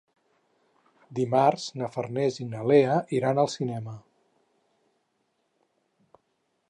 Dimarts na Farners i na Lea iran al cinema.